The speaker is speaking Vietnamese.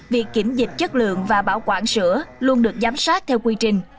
việc kiểm dịch chất lượng và bảo quản sữa luôn được giám sát theo quy trình